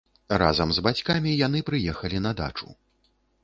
Разам з бацькамі яны прыехалі на дачу.